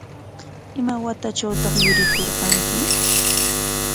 ¿Ima watatrawtaq yurirqanki?